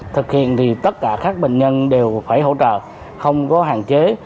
thực hiện thì tất cả các bệnh nhân đều phải hỗ trợ không có hạn chế